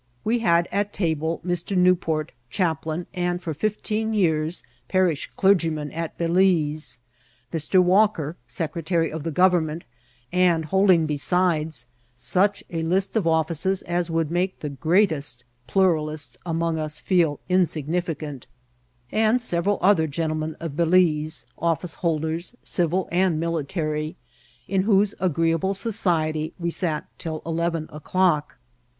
We had at table Mr. Newport, chaplain, and for fifteen years parish clergyman at Balize ; Mr, Walk er, secretary of the government, and holding, besides, such a list of offices as would make the greatest plu ralist among us feel insignificant; and several other gentlemen of Balize, office holders, civil and military^ in whose agreeable society we sat till eleven o'clock.